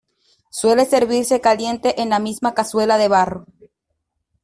Suele servirse caliente en la misma cazuela de barro.